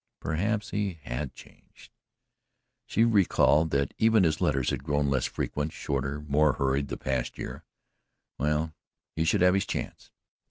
Perhaps he HAD changed. She recalled that even his letters had grown less frequent, shorter, more hurried the past year well, he should have his chance.